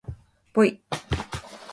ぽい